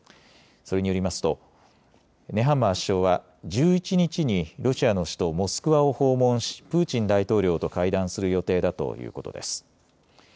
それによりますとネハンマー首相は１１日にロシアの首都モスクワを訪問しプーチン大統領と会談する予定だということです。